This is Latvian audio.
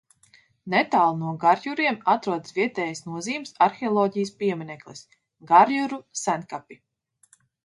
Netālu no Garjuriem atrodas vietējas nozīmes arheoloģijas piemineklis Garjuru senkapi.